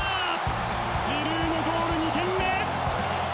ジルーのゴール２点目！